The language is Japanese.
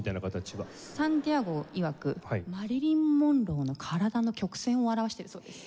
サンティアゴいわくマリリン・モンローの体の曲線を表しているそうです。